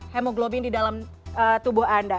hemoglobin di dalam tubuh anda